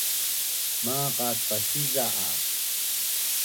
Maqat pasiza’ a